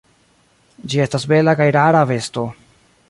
Ĝi estas bela kaj rara besto.